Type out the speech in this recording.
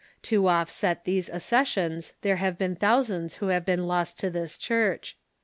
To oftset these accessions there have been thou sands who liave been lost to this Church.